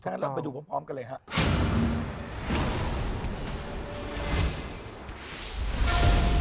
ถ้างั้นเราไปดูพร้อมกันเลยฮะ